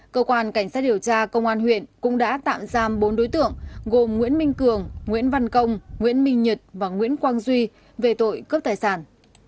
cơ quan cảnh sát điều tra công an huyện cũng đã tạm giam bốn đối tượng gồm nguyễn minh cường nguyễn văn công nguyễn minh nhật và nguyễn quang duy về tội cướp tài sản